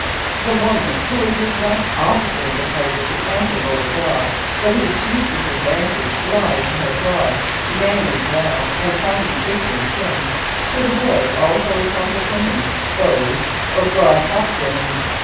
24] The woman who is the exact opposite of the type with the ample lower jaw, but whose chief disadvantage lies in her broad, manly brow and tiny tapering chin, should avoid all horizontal trimmings, bows or broad hat brims.